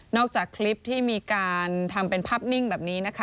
จากคลิปที่มีการทำเป็นภาพนิ่งแบบนี้นะคะ